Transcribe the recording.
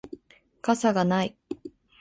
傘がない